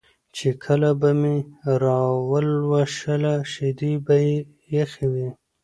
چې کله به مې راولوشله شیدې به یې یخې وې